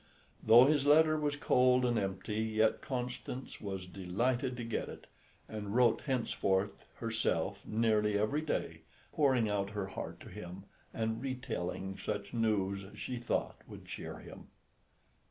Though his letter was cold and empty, yet Constance was delighted to get it, and wrote henceforth herself nearly every day, pouring out her heart to him, and retailing such news as she thought would cheer him.